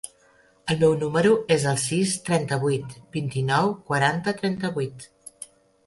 El meu número es el sis, trenta-vuit, vint-i-nou, quaranta, trenta-vuit.